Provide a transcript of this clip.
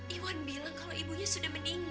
iwan bilang kalau ibunya sudah meninggal